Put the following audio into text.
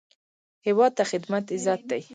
هیواد ته خدمت عزت دی